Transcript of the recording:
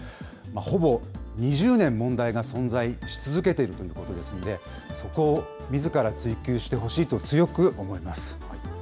ほぼ２０年、問題が存在し続けているということですので、そこをみずから追及してほしいと強く思います。